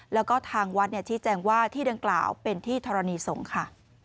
แล้วก็ทางวัดชี้แจงว่าที่ดังกล่าวเป็นที่ธรณีสงฆ์ค่ะ